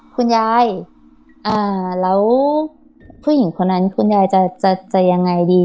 คุณยายแล้วผู้หญิงคนนั้นคุณยายจะจะยังไงดี